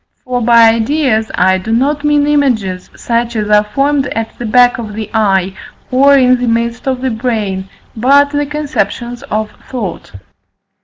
For by ideas I do not mean images such as are formed at the back of the eye, or in the midst of the brain, but the conceptions of thought.